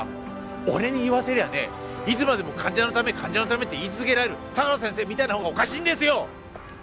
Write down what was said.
俺に言わせりゃねいつまでも患者のため患者のためって言い続けられる相良先生みたいなほうがおかしいんですよ！